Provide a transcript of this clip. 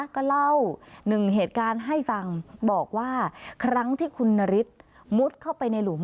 ก็เล่าหนึ่งเหตุการณ์ให้ฟังบอกว่าครั้งที่คุณนฤทธิ์มุดเข้าไปในหลุม